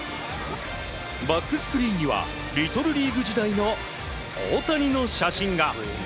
バックスクリーンにはリトルリーグ時代の大谷の写真が。